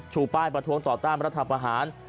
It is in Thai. ชูป้ายประท้วงต่อต้านรัฐประหาร